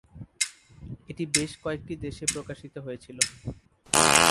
এটি বেশ কয়েকটি দেশে প্রকাশিত হয়েছিল।